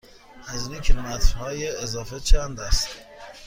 هزینه کیلومترهای اضافه چند است؟